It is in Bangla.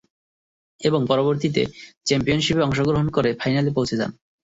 এবং পরবর্তীতে চ্যাম্পিয়নশিপে অংশগ্রহণ করে ফাইনালে পৌছে যান।